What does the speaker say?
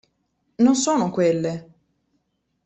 Non sono quelle!